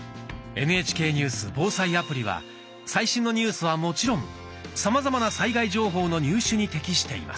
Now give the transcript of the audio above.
「ＮＨＫニュース・防災アプリ」は最新のニュースはもちろんさまざまな災害情報の入手に適しています。